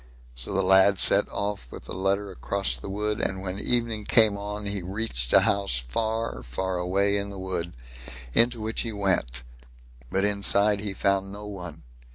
So the lad set off with the letter across the wood, and when evening came on he reached a house far, far away in the wood, into which he went; but inside he found no one.